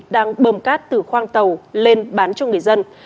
đang bơm cát từ khoang tàu lên bán cho người dân